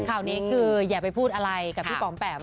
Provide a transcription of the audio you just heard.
ข่าวนี้คืออย่าไปพูดอะไรกับพี่ป๋อมแปม